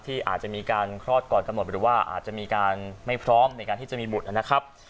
อาจจะมีการคลอดก่อนกำหนดหรือว่าอาจจะมีการไม่พร้อมในการที่จะมีบุตรนะครับ